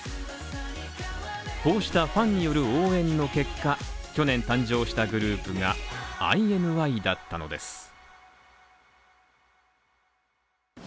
こうしたファンによる応援の結果、去年誕生したグループがＩＮＩだったのです。